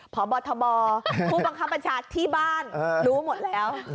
พบทบผู้บังคับบัญชาที่บ้านรู้หมดแล้ว